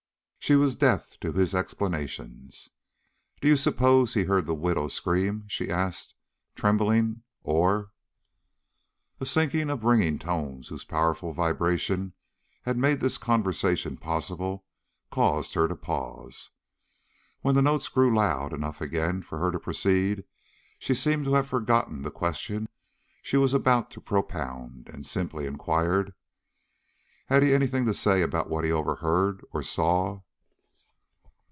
She was deaf to his explanations. "Do you suppose he heard the widow scream?" she asked, tremblingly, "or " A sinking of the ringing tones whose powerful vibration had made this conversation possible, caused her to pause. When the notes grew loud enough again for her to proceed, she seemed to have forgotten the question she was about to propound, and simply inquired: "Had he any thing to say about what he overheard or saw?"